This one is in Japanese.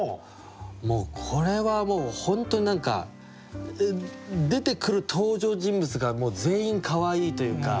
もうこれは本当に何か出てくる登場人物が全員かわいいというか。